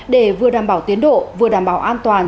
để vừa đảm bảo tiến độ vừa đảm bảo an toàn